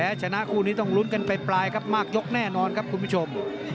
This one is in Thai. และชนะคู่นี้ต้องลุ้นกันไปปลายครับมากยกแน่นอนครับคุณผู้ชม